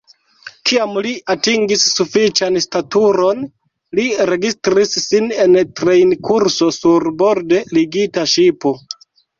Kiam li atingis sufiĉan staturon, li registris sin en trejnkurso sur borde ligita ŝipo.